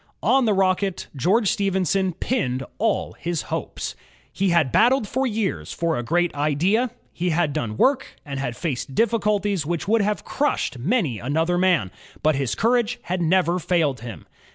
On the Rocket, George Stephenson pinned all his hopes. He had battled for years for a great idea. He had done work and had faced difficulties which would have crushed many an other man, but his courage had never failed him.